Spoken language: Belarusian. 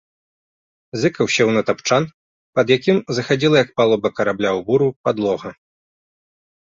Зыкаў сеў на тапчан, пад якім захадзіла, як палуба карабля ў буру, падлога.